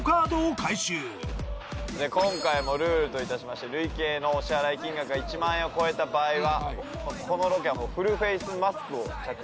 今回もルールといたしまして累計のお支払い金額が１万円を超えた場合はこのロケはフルフェースマスクを着用してのロケとなります。